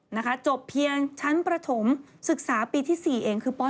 นะคะจบเพียงชั้นประถมศึกษาปีที่๔เองคือป๑